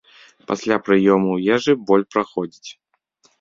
Пасля прыёму ежы боль праходзіць.